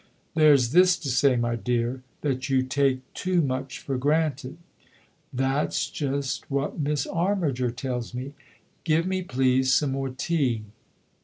" There's this to say, my dear that you take too much for granted I "" That's just what Miss Armiger tells me. Give me, please, some more tea."